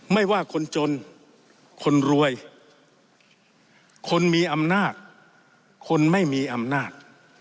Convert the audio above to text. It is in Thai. ไม่ว่าคนจนคนรวยคนมีอำนาจคนไม่มีอำนาจ